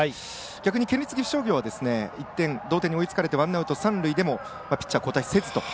逆に県立岐阜商業は同点に追いつかれてワンアウト、三塁でもピッチャー交代せずと。